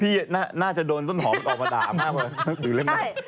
พี่น่าจะโดนต้นหอมออกมาด่ามากเลย